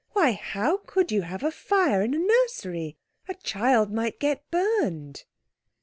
"Why, how could you have a fire in a nursery? A child might get burned."